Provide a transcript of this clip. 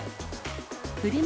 フリマ